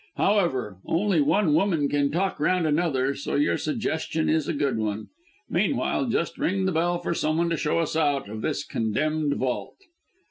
However, only one woman can talk round another, so your suggestion is a good one. Meanwhile, just ring the bell for someone to show us out of this condemned vault."